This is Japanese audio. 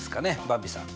ばんびさん。